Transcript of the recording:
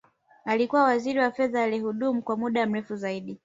Alikuwa Waziri wa fedha aliyehudumu kwa muda mrefu zaidi